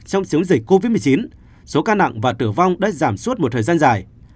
trong chiến dịch covid một mươi chín số ca nặng và tử vong đã giảm suốt một thời gian dài